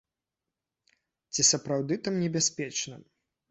Ці сапраўды там небяспечна?